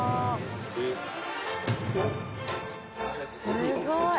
すごい。